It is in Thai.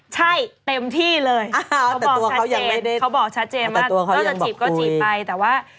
ใช่เต็มที่เลยเขาบอกชัดเจนถ้าจะจีบก็จีบไปแต่ว่า